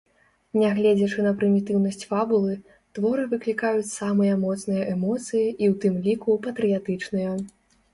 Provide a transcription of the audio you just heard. Нягледзячы на прымітыўнасць фабулы, творы выклікаюць самыя моцныя эмоцыі, і ў тым ліку патрыятычныя.